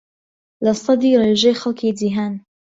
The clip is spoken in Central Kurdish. لەسەدی ڕێژەی خەڵکی جیھان